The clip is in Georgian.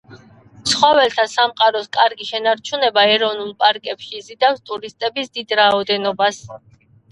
ცხოველთა სამყაროს კარგი შენარჩუნება ეროვნულ პარკებში იზიდავს ტურისტების დიდ რაოდენობას.